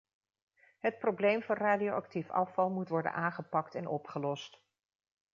Het probleem van radioactief afval moet worden aangepakt en opgelost.